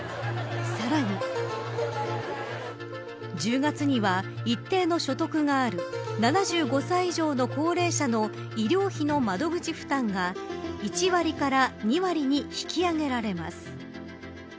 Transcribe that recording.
さらに１０月には、一定の所得がある７５歳以上の高齢者の医療費の窓口負担が１割から２割に引き上げられます。